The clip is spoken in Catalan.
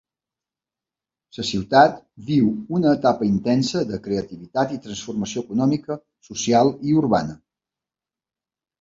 La ciutat viu una etapa intensa de creativitat i transformació econòmica, social i urbana.